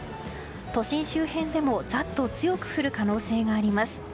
都心周辺でもざっと強く降る可能性があります。